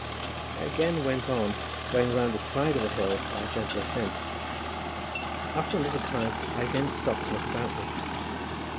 I again went on, going round the side of a hill by a gentle ascent. After a little time I again stopped to look about me.